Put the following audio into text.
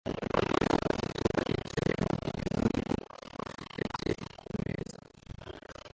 Abagabo batatu baricaye mugihe muri bo bafite byeri kumeza